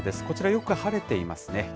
こちらよく晴れていますね。